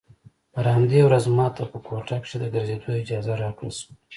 پر همدې ورځ ما ته په کوټه کښې د ګرځېدو اجازه راکړل سوه.